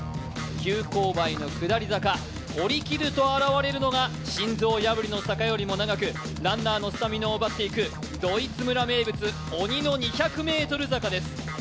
急勾配の下り坂、下りきると現れるのが心臓破りの坂よりも長くランナーのスタミナを奪っていくドイツ村名物鬼の２００ｍ坂です。